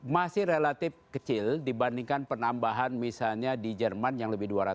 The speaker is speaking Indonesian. masih relatif kecil dibandingkan penambahan misalnya di jerman yang lebih dua ratus